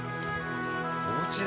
おうちで？